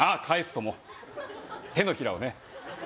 返すとも手のひらをね